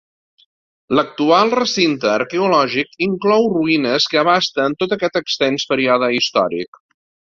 L'actual recinte arqueològic inclou ruïnes que abasten tot aquest extens període històric.